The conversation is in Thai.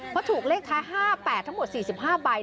เพราะถูกเลขท้าย๕๘ทั้งหมด๔๕ใบ